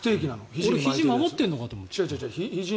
俺、ひじ守っているのかと思った。